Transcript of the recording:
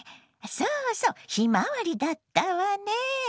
そうそう「ひまわり」だったわね。